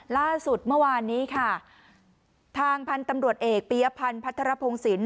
ล่าสุดเมื่อวานนี้ค่ะทางพันธุ์ตำรวจเอกปียพันธ์พัทรพงศิลป